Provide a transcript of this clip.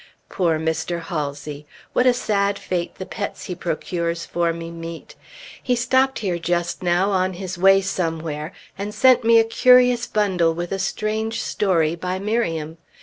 Poor Mr. Halsey! What a sad fate the pets he procures for me meet! He stopped here just now on his way somewhere, and sent me a curious bundle with a strange story, by Miriam.